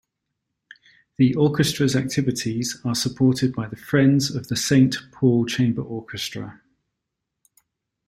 The orchestra's activities are supported by the Friends of the Saint Paul Chamber Orchestra.